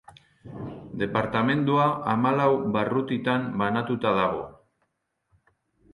Departamendua hamalau barrutitan banatuta dago.